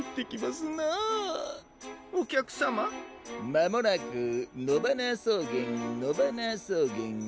まもなくのばなそうげんのばなそうげん。